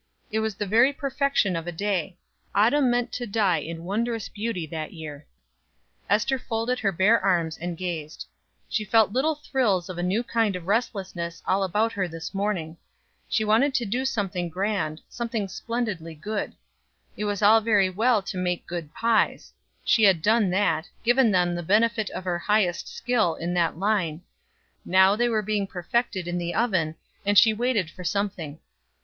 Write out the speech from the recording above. It was the very perfection of a day autumn meant to die in wondrous beauty that year. Ester folded her bare arms and gazed. She felt little thrills of a new kind of restlessness all about her this morning. She wanted to do something grand, something splendidly good. It was all very well to make good pies; she had done that, given them the benefit of her highest skill in that line now they were being perfected in the oven, and she waited for something.